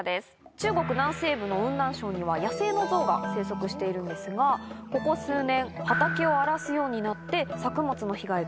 中国南西部の雲南省には野生のゾウが生息しているんですがここ数年畑を荒らすようになって。